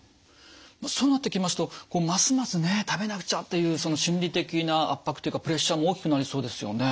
そうなってきますとますますね食べなくちゃっていうその心理的な圧迫というかプレッシャーも大きくなりそうですよね。